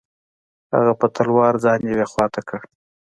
هغه په تلوار ځان یوې خوا ته کړ.